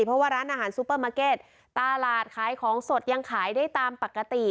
เพราะว่าร้านอาหารซูเปอร์มาร์เก็ตตลาดขายของสดยังขายได้ตามปกติ